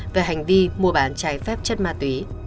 về hành vi mua bán trái phép chất ma túy